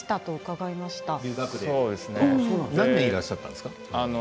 なんでいらっしゃったんですか？